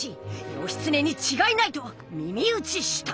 義経にちがいない」と耳打ちした。